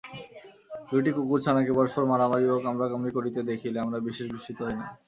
দুইটি কুকুরছানাকে পরস্পর মারামারি ও কামড়াকামড়ি করিতে দেখিলে আমরা বিশেষ বিস্মিত হই না।